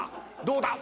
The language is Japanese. どうだ？